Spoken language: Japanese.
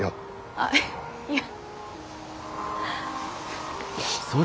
あっいや。